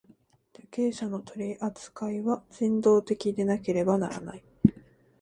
受刑者の取扱いは人道的でなければならない。